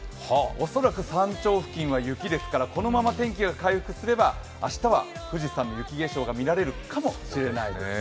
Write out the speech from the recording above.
おそらく山頂付近は雪ですからこのまま天気が回復すれば、明日は富士山の雪化粧が見られるかもしれません。